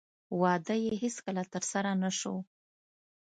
واده یې هېڅکله ترسره نه شو.